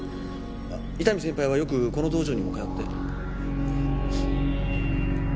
あ伊丹先輩はよくこの道場にも通って。